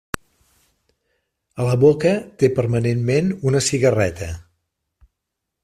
A la boca té permanentment una cigarreta.